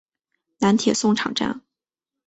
南铁送场站。